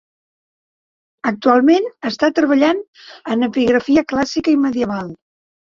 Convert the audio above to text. Actualment, està treballant en epigrafia clàssica i medieval.